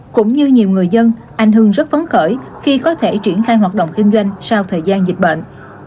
cũng như nhiều người dân anh hưng rất phấn khởi khi có thể triển khai hoạt động kinh doanh sau thời gian dịch bệnh